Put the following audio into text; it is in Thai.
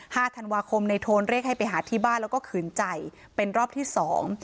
ธันวาคมในโทนเรียกให้ไปหาที่บ้านแล้วก็ขืนใจเป็นรอบที่สอง